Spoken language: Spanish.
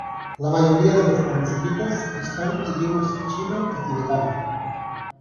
La mayoría de los manuscritos están idiomas chino y tibetano.